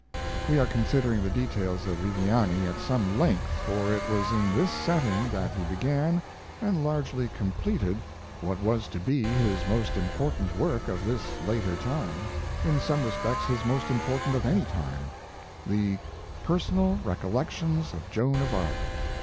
We are considering the details of Viviani at some length, for it was in this setting that he began and largely completed what was to be his most important work of this later time in some respects his most important of any time the 'Personal Recollections of Joan of Arc'.